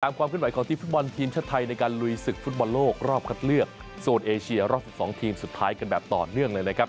ความขึ้นไหวของทีมฟุตบอลทีมชาติไทยในการลุยศึกฟุตบอลโลกรอบคัดเลือกโซนเอเชียรอบ๑๒ทีมสุดท้ายกันแบบต่อเนื่องเลยนะครับ